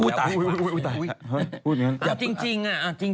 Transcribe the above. อุ๊ยตายพูดอย่างนั้น